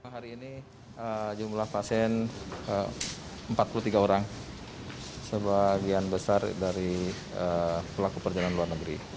hari ini jumlah pasien empat puluh tiga orang sebagian besar dari pelaku perjalanan luar negeri